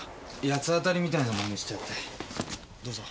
八つ当たりみたいなマネしちゃってどうぞ。